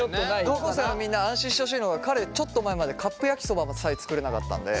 高校生のみんな安心してほしいのは彼ちょっと前までカップ焼きそばさえ作れなかったんで。